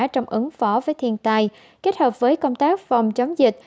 trong ứng phó với thiên tai kết hợp với công tác phòng chống dịch